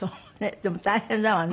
でも大変だわね。